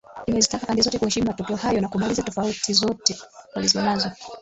imezitaka pande zote kuhesimu matokeo hayo na kumaliza tofauti zozote walizonazo